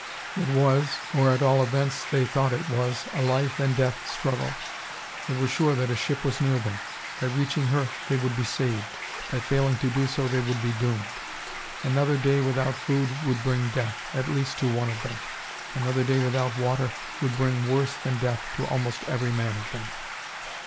It was, or, at all events, they thought it was, a life and death struggle. They were sure that a ship was near them. By reaching her they would be saved; by failing to do so they would be doomed. Another day without food would bring death, at least to one of them; another day without water would bring worse than death to almost every man of them.